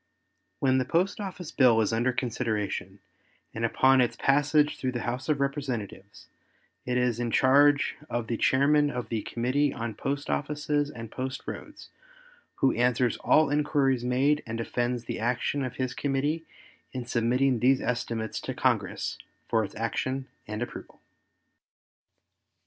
When the post office bill is under consideration and upon its passage through the House of Representatives it is in charge of the Chairman of the Committee on Post Offices and Post Roads, who answers all inquires made and defends the action of his committee in submitting these estimates to Congress for its action and approval.